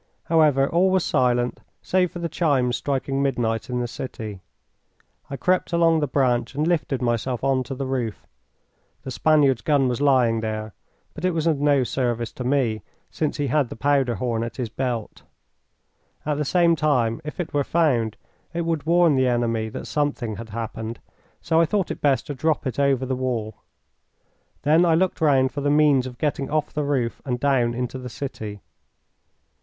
However, all was silent save for the chimes striking midnight in the city. I crept along the branch and lifted myself on to the roof. The Spaniard's gun was lying there, but it was of no service to me, since he had the powder horn at his belt. At the same time, if it were found, it would warn the enemy that something had happened, so I thought it best to drop it over the wall. Then I looked round for the means of getting off the roof and down into the city.